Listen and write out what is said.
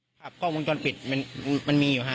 กลุ่มวัยรุ่นกลัวว่าจะไม่ได้รับความเป็นธรรมทางด้านคดีจะคืบหน้า